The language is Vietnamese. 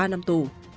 ba năm tù